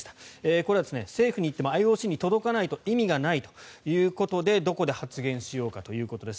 これは政府に言ってもＩＯＣに届かないと意味がないということでどこで発言しようかということです。